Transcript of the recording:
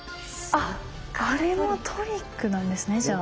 あっこれもトリックなんですねじゃあ。